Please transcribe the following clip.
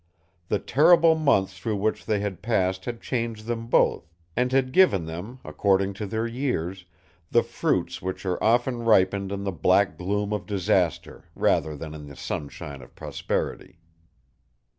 The terrible months through which they had passed had changed them both, and had given them, according to their years, the fruits which are often ripened in the black gloom of disaster rather than in the sunshine of prosperity.